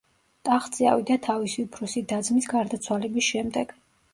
ტახტზე ავიდა თავისი უფროსი და-ძმის გარდაცვალების შემდეგ.